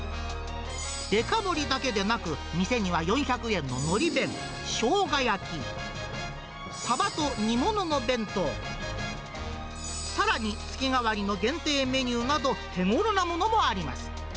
でか盛りだけでなく、店には４００円ののり弁当、しょうが焼き、サバと煮物の弁当、さらに月替わりの限定メニューなど、手頃なものもあります。